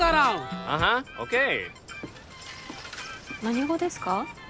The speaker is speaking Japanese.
何語ですか？